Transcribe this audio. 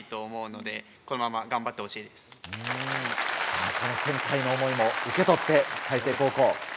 さぁこの先輩の思いも受け取って開成高校。